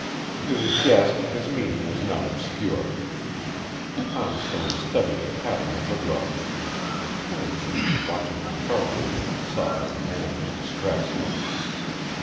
To his guest his meaning was not obscure. Poundstone studied the pattern of the rug, and Pennington, watching him sharply, saw that the man was distressed.